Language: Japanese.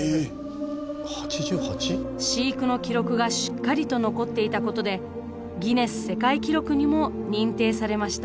飼育の記録がしっかりと残っていたことでギネス世界記録にも認定されました。